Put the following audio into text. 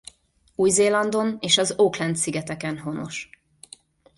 Új-Zélandon és az Auckland-szigeteken honos.